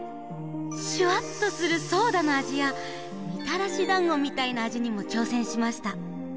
シュワっとするソーダのあじやみたらしだんごみたいなあじにもちょうせんしました。